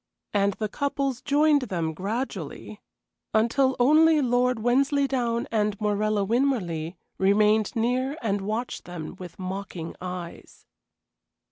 And the couples joined them gradually, until only Lord Wensleydown and Morella Winmarleigh remained near and watched them with mocking eyes.